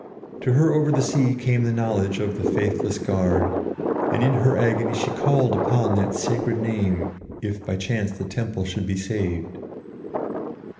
To her over the sea came the knowledge of the faithless guard, and in her agony she called upon that sacred name if by chance the temple should be saved.